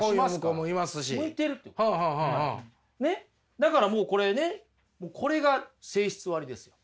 だからもうこれねこれが性質割です。